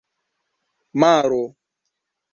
maro